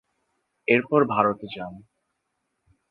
এরপর ভারতে যান।